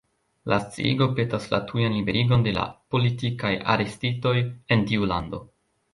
La sciigo petas la tujan liberigon de la «politikaj arestitoj» en tiu lando.